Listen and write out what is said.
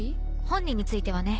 本人についてはね。